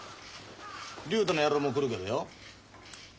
竜太の野郎も来るけどよ。